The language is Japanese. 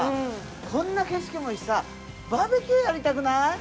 こんな景色もいいしさバーベキューやりたくない？